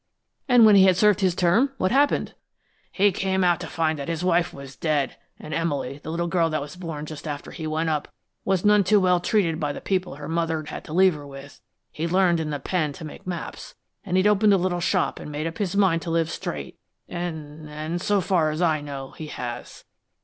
"And when he had served his term, what happened?" "He came out to find that his wife was dead, and Emily, the little girl that was born just after he went up, was none too well treated by the people her mother'd had to leave her with. He'd learned in the pen' to make maps, an' he opened a little shop an' made up his mind to live straight, an' an' so far as I know, he has."